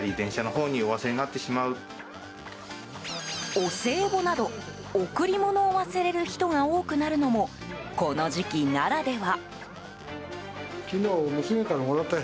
お歳暮など贈り物を忘れる人が多くなるのもこの時期ならでは。